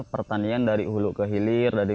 pertanian dari hulu ke hilir dari